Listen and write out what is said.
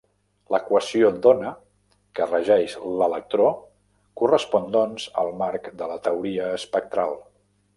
L'equació d'ona que regeix l'electró correspon doncs al marc de la teoria espectral.